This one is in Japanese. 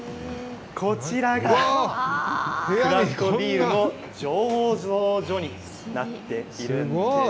こちらがクラフトビールの醸造所になっているんです。